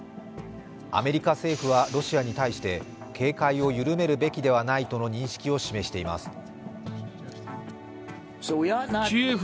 アメリカ政府はロシアに対して警戒を緩めるべきではないとの認識を示しています。